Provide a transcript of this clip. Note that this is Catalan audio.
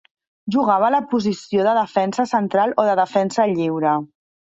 Jugava a la posició de defensa central o de defensa lliure.